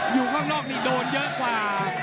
อยู่ข้างนอกนี่โดนเยอะกว่า